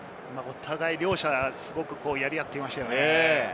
両者すごくやり合っていましたね。